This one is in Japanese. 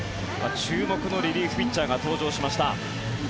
注目のリリーフピッチャーが登場しました。